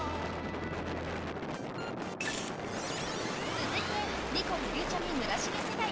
［続いてニコルゆうちゃみ村重世代］